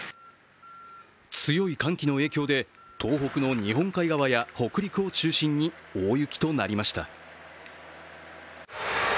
強い寒気の影響で東北の日本海側や北陸を中心に大雪となりました。